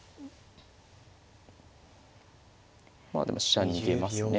まあでも飛車逃げますね